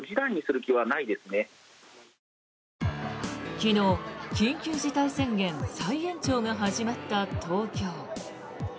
昨日、緊急事態宣言再延長が始まった東京。